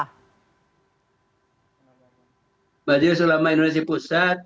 hai baju selama indonesia pusat